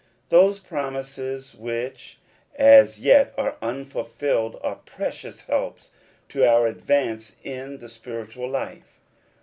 Those promises which as yet are unfulfilled are precious helps to our advance in the spiritual life.